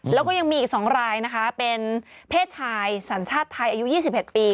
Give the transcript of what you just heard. แล้วก็ยังมีอีก๒รายนะคะเป็นเพศชายสัญชาติไทยอายุ๒๑ปี